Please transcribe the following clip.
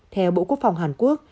theo bộ quốc phòng hàn quốc